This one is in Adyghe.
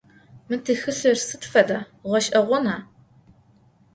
Mı txılhır sıd feda, ğeş'eğona?